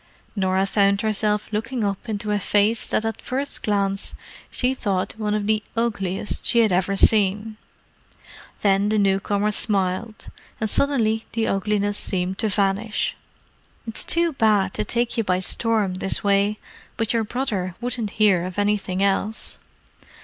Norah found herself looking up into a face that at the first glance she thought one of the ugliest she had ever seen. Then the newcomer smiled, and suddenly the ugliness seemed to vanish. "It's too bad to take you by storm this way. But your brother wouldn't hear of anything else."